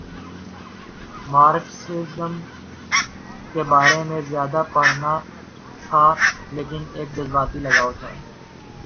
Marxism کے بارے میں زیادہ پڑھا نہ تھا لیکن ایک جذباتی لگاؤ تھا۔